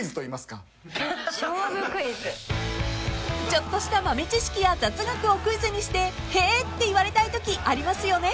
［ちょっとした豆知識や雑学をクイズにして「へぇ」って言われたいときありますよね？］